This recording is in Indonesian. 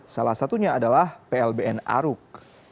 salah satunya adalah plbn aruk